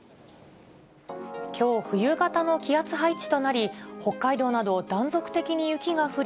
きょう、冬型の気圧配置となり、北海道など断続的に雪が降り、